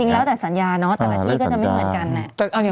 แล้วแต่สัญญาเนาะแต่ละที่ก็จะไม่เหมือนกัน